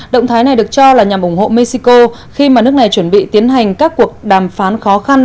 động thái này được cho là nhằm ủng hộ mexico khi mà nước này chuẩn bị tiến hành các cuộc đàm phán khó khăn